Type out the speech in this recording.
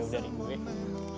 lu seru bohong